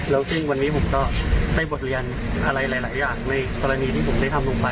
แล้วซึ่งวันนี้ผมก็ได้บทเรียนอะไรหลายอย่างในกรณีที่ผมได้ทำลงไป